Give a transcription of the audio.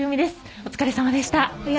お疲れさまでした。